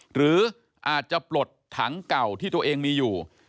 หรืออาจจะปลดถังเก่าที่ตัวเองมีอยู่